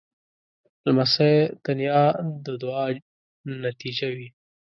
لمسی د نیا د دعا نتیجه وي.